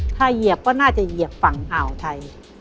ถ้าเหยียบก็น่าจะเหยียบฝั่งอ่าวไทย